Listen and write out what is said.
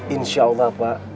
insya allah pak